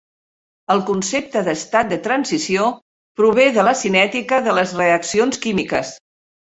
El concepte d'estat de transició prové de la cinètica de les reaccions químiques.